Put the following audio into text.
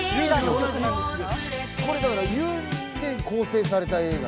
これだからユーミンで構成された映画。